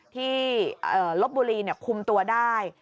ลบบุรีคุมตัวได้